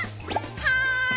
はい！